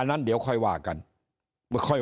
ถ้าท่านผู้ชมติดตามข่าวสาร